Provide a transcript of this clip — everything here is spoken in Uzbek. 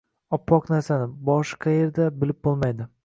Oppoq narsani... boshi qaerda, bilib bo‘lmadi.